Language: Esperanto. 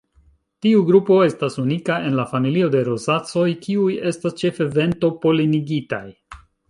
Tiu grupo estas unika en la familio de Rozacoj kiuj estas ĉefe vento-polenigitaj.